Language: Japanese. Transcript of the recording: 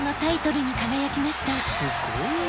すごいよ。